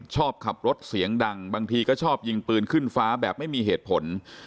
ชอบขับรถเสียงดังบางทีก็ชอบยิงปืนขึ้นฟ้าแบบไม่มีเหตุผล